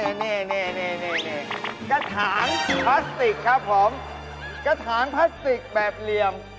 นี่นี่กระถางพลาสติกครับผมกระถางพลาสติกแบบเหลี่ยม